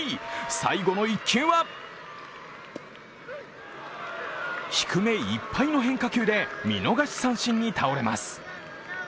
最後の１球は低めいっぱいの変化球で見逃し三振に倒れます。